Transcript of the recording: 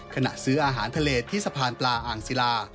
ขณะซื้ออาหารทะเลที่สะพานปลาอ่างศิลา